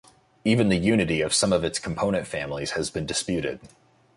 Even the unity of some of its component families has been disputed.